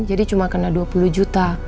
jadi cuma kena dua puluh juta